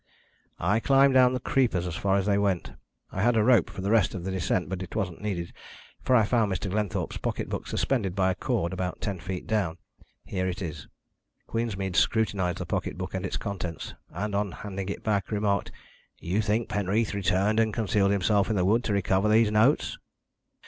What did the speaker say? "I climbed down the creepers as far as they went. I had a rope for the rest of the descent, but it wasn't needed, for I found Mr. Glenthorpe's pocket book suspended by a cord about ten feet down. Here it is." Queensmead scrutinised the pocket book and its contents, and on handing it back remarked: "Do you think Penreath returned and concealed himself in the wood to recover these notes?"